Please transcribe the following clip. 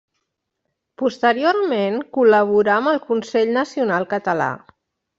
Posteriorment col·laborà amb el Consell Nacional Català.